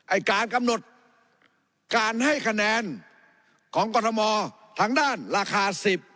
การกำหนดการให้คะแนนของกรทมทางด้านราคา๑๐